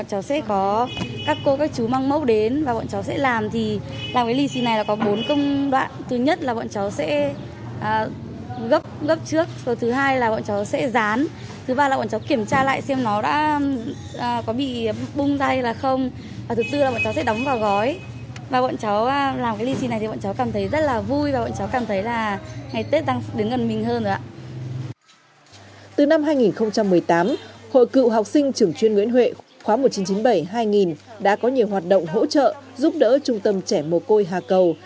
hội cựu học sinh trưởng chuyên nguyễn huệ khóa một nghìn chín trăm chín mươi bảy hai nghìn đã có nhiều hoạt động hỗ trợ giúp đỡ trung tâm trẻ mồ côi hà cầu